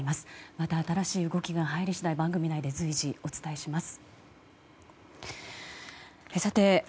また新しい動きが入り次第番組内で随時お伝えします。